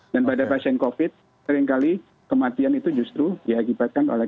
dan pada pasien covid sembilan belas seringkali kematian itu justru diakibatkan oleh